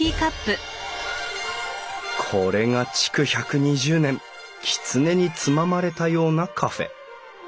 これが築１２０年きつねにつままれたようなカフェ。